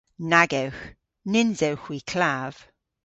Nag ewgh. Nyns ewgh hwi klav.